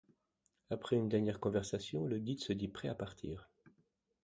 Après une dernière conversation, le guide se dit prêt à partir.